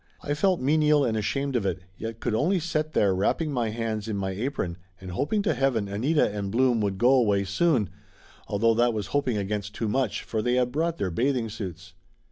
I felt menial and ashamed of it, yet could only set there wrapping my hands in my apron and hoping to heaven Anita and Blum would go away soon, although that was hoping against too much, for they had brought their bathing suits.